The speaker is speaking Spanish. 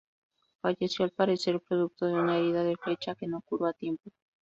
Falleció al parecer producto de una herida de flecha que no curó a tiempo.